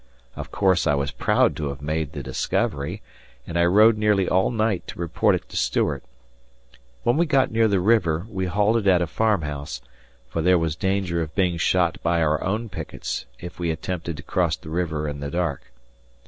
Of course, I was proud to have made the discovery, and I rode nearly all night to report it to Stuart. When we got near the river, we halted at a farmhouse, for there was danger of being shot by our own pickets if we attempted to cross the river in the dark.